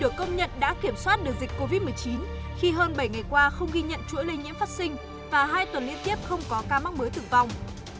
được công nhận đã kiểm soát được dịch covid một mươi chín khi hơn bảy ngày qua không ghi nhận chuỗi lây nhiễm phát sinh và hai tuần liên tiếp không có ca mắc mới tử vong